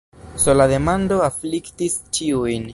Sola demando afliktis ĉiujn.